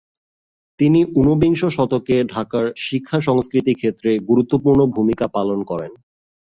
তিনি ঊনবিংশ শতকে ঢাকার শিক্ষা-সংস্কৃতিক্ষেত্রে গুরুত্বপূর্ণ ভূমিকা পালন করেন।